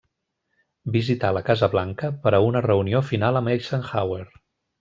Visità la Casa Blanca per a una reunió final amb Eisenhower.